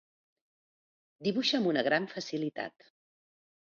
Dibuixa amb una gran facilitat.